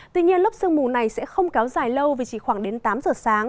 tuy nhiên lớp sương mù này sẽ không kéo dài lâu vì chỉ khoảng đến tám giờ sáng